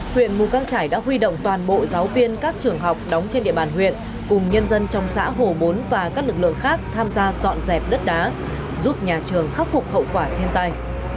huyện mù căng trải đã huy động toàn bộ giáo viên các trường học đóng trên địa bàn huyện cùng nhân dân trong xã hồ bốn và các lực lượng khác tham gia dọn dẹp đất đá giúp nhà trường khắc phục hậu quả thiên tai